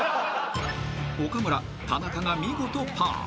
［岡村田中が見事パー］